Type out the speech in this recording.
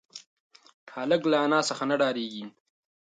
هلک له انا څخه نه ډارېږي.